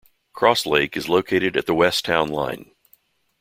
Cross Lake is located at the west town line.